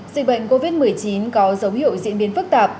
dịch bệnh covid một mươi chín có dấu hiệu diễn biến phức tạp